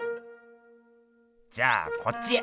じゃあこっちへ。